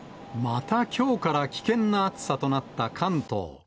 またきょうから危険な暑さとなった関東。